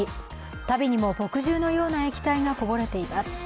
足袋にも墨汁のような液体がこぼれています。